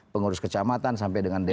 pengurus kecamatan sampai dengan desa